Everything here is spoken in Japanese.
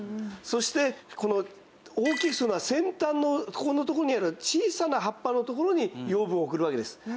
そしてこの大きい先端のここのとこにある小さな葉っぱのところに養分を送るわけです。